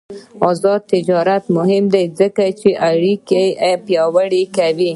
آزاد تجارت مهم دی ځکه چې اړیکې پیاوړې کوي.